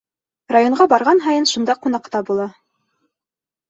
Районға барған һайын шунда ҡунаҡта була.